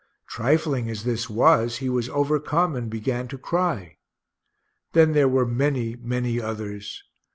Trifling as this was, he was overcome and began to cry. Then there were many, many others.